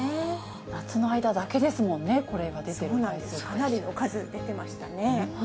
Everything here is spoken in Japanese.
夏の間だけですもんね、かなりの数、出てましたね。